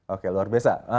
oke luar biasa